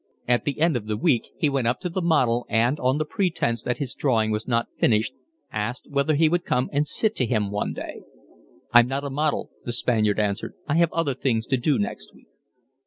At the end of the week he went up to the model and on the pretence that his drawing was not finished asked whether he would come and sit to him one day. "I'm not a model," the Spaniard answered. "I have other things to do next week."